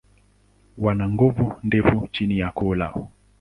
Wana ngozi ndefu chini ya koo lao.